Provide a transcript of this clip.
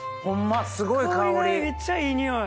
香りがめっちゃいい匂い！